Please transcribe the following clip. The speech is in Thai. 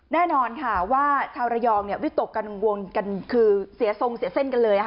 แน่นอนค่ะว่าชาวระยองวิตกกังวลกันคือเสียทรงเสียเส้นกันเลย